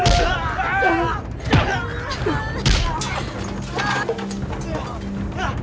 jangan pukul dia